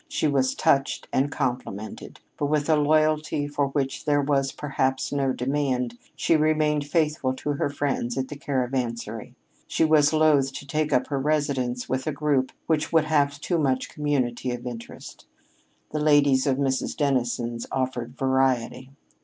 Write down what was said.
She was touched and complimented, but, with a loyalty for which there was, perhaps, no demand, she remained faithful to her friends at the Caravansary. She was loath to take up her residence with a group which would have too much community of interest. The ladies at Mrs. Dennison's offered variety.